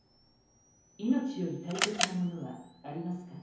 命より大切なものはありますか？